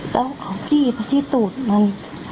แล้วเขาจีบที่ตูดมัน